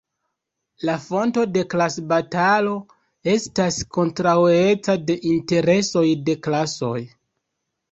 La fonto de klasbatalo estas kontraŭeco de interesoj de klasoj.